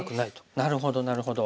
なるほどなるほど。